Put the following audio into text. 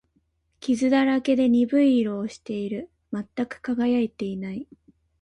傷だらけで、鈍い色をしている。全く輝いていない。